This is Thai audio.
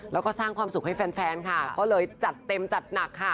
แล้วก็สร้างความสุขให้แฟนแฟนค่ะก็เลยจัดเต็มจัดหนักค่ะ